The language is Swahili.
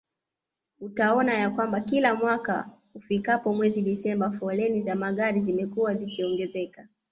Utaona ya kwamba kila mwaka ufikapo mwezi Desemba foleni za magari zimekuwa zikiongezeka